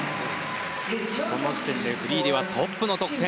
この時点でフリーではトップの得点。